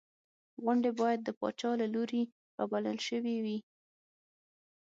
غونډې باید د پاچا له لوري رابلل شوې وې.